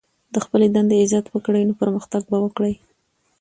د خپلي دندې عزت وکړئ، نو پرمختګ به وکړئ!